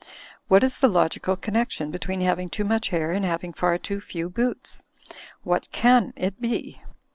* What is the logical con nection between having too much hair and having far too few boots? What can it be?